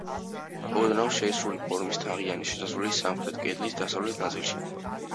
ოდნავ შეისრული ფორმის თაღიანი შესასვლელი სამხრეთ კედლის დასავლეთ ნაწილშია.